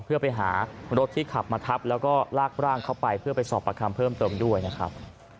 เพื่อไปหารถที่ขับมาทับแล้วก็ลากร่างเข้าไปเพื่อไปสอบประคำเพิ่มเติมด้วยนะครับ